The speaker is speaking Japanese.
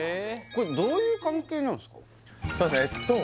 これどういう関係なんですか？